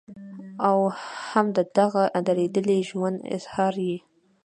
او هم د دغه درديدلي ژوند اظهار ئې